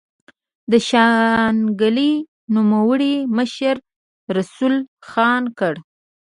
د شانګلې د نوموړي مشر رسول خان کره